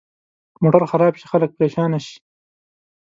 موټر خراب شي، خلک پرېشانه شي.